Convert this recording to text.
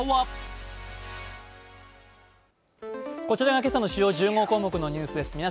こちらが今朝の主要１５項目のニュースです。